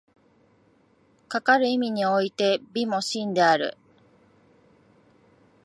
かかる意味において美も真である。